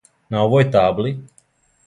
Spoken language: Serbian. На овој табли?